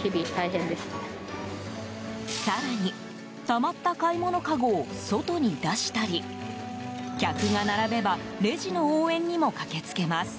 更に、たまった買い物かごを外に出したり客が並べばレジの応援にも駆けつけます。